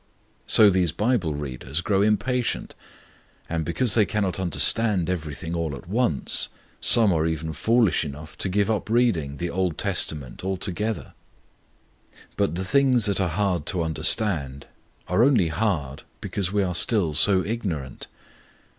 So these Bible readers grow impatient, and because they cannot understand everything all at once, some are even foolish enough to give up reading the Old Testament altogether. But the things that are hard to understand are only hard because we are still so ignorant.